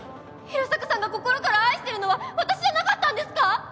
平坂さんが心から愛してるのは私じゃなかったんですか？